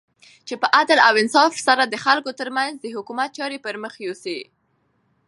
چی په عدل او انصاف سره د خلګو ترمنځ د حکومت چاری پرمخ یوسی